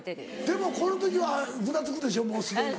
でもこの時はふらつくでしょもうすでに。